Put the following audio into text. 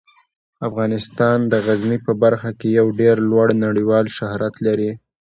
افغانستان د غزني په برخه کې یو ډیر لوړ نړیوال شهرت لري.